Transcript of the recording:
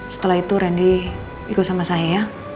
setelah itu randy ikut sama saya ya